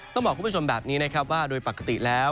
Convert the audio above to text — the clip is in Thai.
ต้องบอกคุณผู้ชมแบบนี้นะครับว่าโดยปกติแล้ว